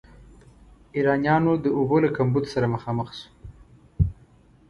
ایرانیانو د اوبو له کمبود سره مخامخ شو.